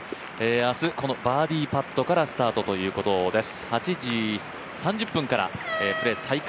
明日、このバーディーパットからスタートということです。